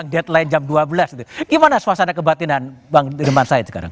deadline jam dua belas itu gimana suasana kebatinan bang dirman said sekarang